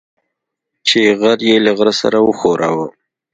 چې غر يې له غره سره وښوراوه.